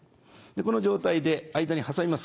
この状態で間に挟みます。